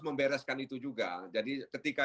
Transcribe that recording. membereskan itu juga jadi ketika